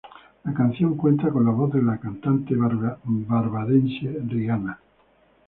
La canción cuenta con la voz de la cantante barbadense Rihanna.